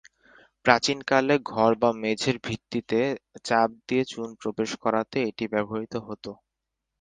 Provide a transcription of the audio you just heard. প্রাচীনকালে ঘর বা মেঝের ভিত্তিতে চাপ দিয়ে চুন প্রবেশ করাতে এটি ব্যবহৃত হত।